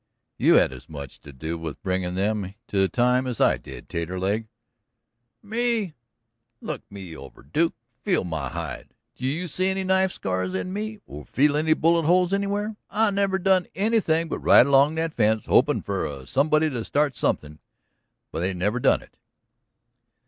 "You had as much to do with bringin' them to time as I did, Taterleg." "Me? Look me over, Duke; feel of my hide. Do you see any knife scars in me, or feel any bullet holes anywhere? I never done nothing but ride along that fence, hopin' for a somebody to start something. They never done it."